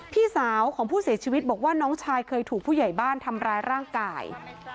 พี่สาวของผู้เสียชีวิตบอกว่าน้องชายเคยถูกผู้ใหญ่บ้านทำร้ายร่างกาย